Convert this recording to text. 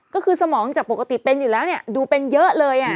ก็คือสมองจากปกติเป็นอยู่แล้วเนี่ยดูเป็นเยอะเลย